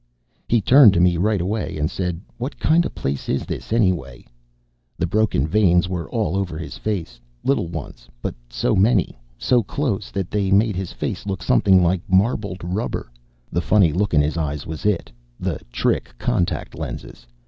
He turned to me right away and said: "What kind of a place is this, anyway?" The broken veins were all over his face, little ones, but so many, so close, that they made his face look something like marbled rubber. The funny look in his eyes was it the trick contact lenses.